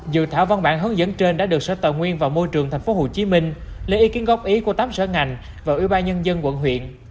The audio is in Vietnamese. dự thảo văn bản hướng dẫn trên đã được sở tài nguyên và môi trường tp hcm lấy ý kiến góp ý của tám sở ngành và ủy ban nhân dân quận huyện